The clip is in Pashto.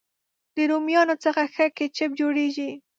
د رومیانو څخه ښه کېچپ جوړېږي.